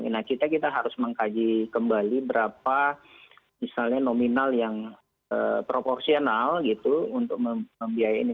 jadi kita harus mengkaji kembali berapa misalnya nominal yang proporsional gitu untuk membiayai ini